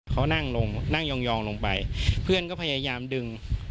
เขานั่งลงนั่งยองลงไปเพื่อนก็พยายามดึง